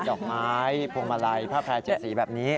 ดอกไม้พวงมาลัยผ้าแพร่๗สีแบบนี้